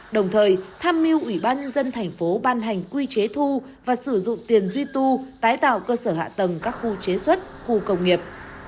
đồng thời tham mưu ủy ban nhân dân thành phố ban hành quy chế thu và sử dụng tiền duy tu tái tạo cơ sở hạ tầng các khu chế xuất khu công nghiệp